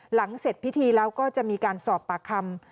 หลังเสร็จพิธีแล้วก็จะมีการสอบปากคำ